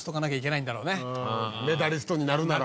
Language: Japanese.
メダリストになるなら。